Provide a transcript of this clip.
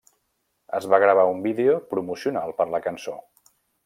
Es va gravar un vídeo promocional per la cançó.